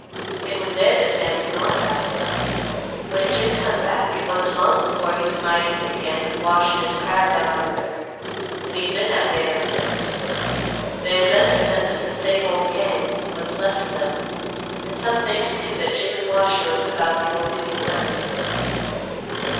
It was there that Sammy's Ma died. When Jim come back it wasn't long before he was mighty thick again with Wash and his crowd down on the river, and he's been that way ever since. There's them that says it's the same old gang, what's left of them, and some thinks too that Jim and Wash knows about the old Dewey mine."